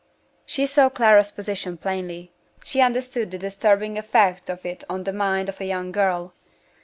She saw Clara's position plainly; she understood the disturbing effect of it on the mind of a young girl.